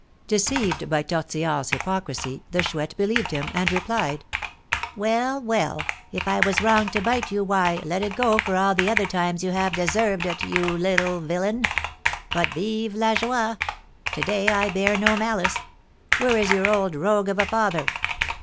Deceived by Tortillard's hypocrisy, the Chouette believed him, and replied: "Well, well, if I was wrong to bite you, why, let it go for all the other times you have deserved it, you little villain! But, vive la joie! To day I bear no malice. Where is your old rogue of a father?"